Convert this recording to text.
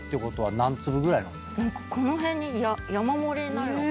この辺に山盛りになるのを。